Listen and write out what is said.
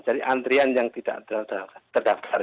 jadi antrian yang tidak terdaftar